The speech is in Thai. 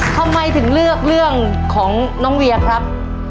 ทำไมถึงเลือกเรื่องของน้องเวียครับ